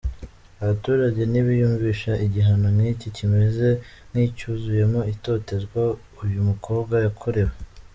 Abaturage ntibiyumvisha igihano nk’iki kimeze nk’icyuzuyemo itotezwa, uyu mukobwa yakorewe.